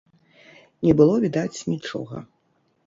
Не было відаць нічога.